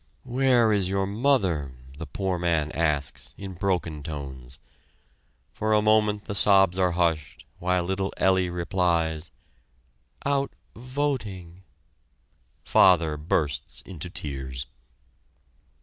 "Where is your mother?" the poor man asks in broken tones. For a moment the sobs are hushed while little Ellie replies: "Out voting!" Father bursts into tears.